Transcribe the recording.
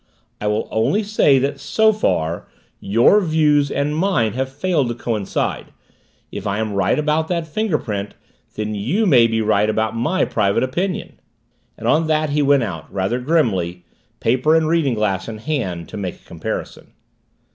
"I will only say that so far your views and mine have failed to coincide. If I am right about that fingerprint, then you may be right about my private opinion." And on that he went out, rather grimly, paper and reading glass in hand, to make his comparison.